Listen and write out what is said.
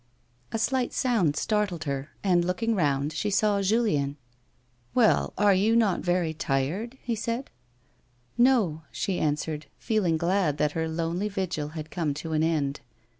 A slight sound startled her, and looking round she saw Julien. " Well, are you not very tired 1 " he asked. " No," she answered, feeling glad that her lonely vigil had come to an end.